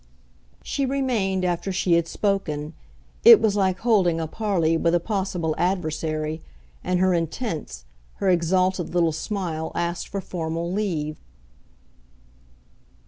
She remained after she had spoken; it was like holding a parley with a possible adversary, and her intense, her exalted little smile asked for formal leave.